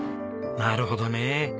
なるほどね。